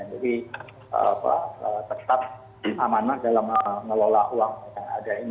jadi tetap amanah dalam mengelola uang yang ada ini